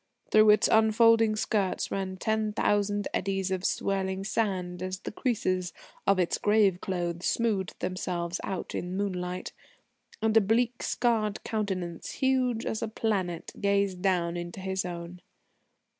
Through its unfolding skirts ran ten thousand eddies of swirling sand as the creases of its grave clothes smoothed themselves out in moonlight. And a bleak, scarred countenance, huge as a planet, gazed down into his own....